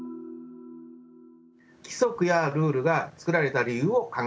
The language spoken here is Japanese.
規則やルールが作られた理由を考えてみましょう。